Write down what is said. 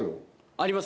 あります？